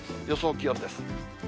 予想気温です。